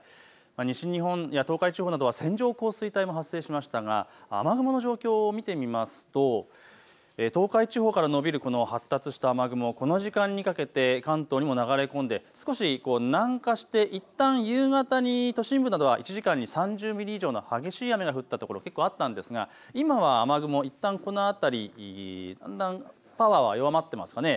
西日本や東海地方などは線状降水帯も発生しましたが雨雲の状況を見てみると東海地方から延びる発達した雨雲、この時間にかけて関東にも流れ込んで少し南下して、いったん夕方に都心部などは１時間に３０ミリ以上の激しい雨が降ったところ結構あったんですが今は雨雲、いったん、だんだんパワーは弱まっていますかね。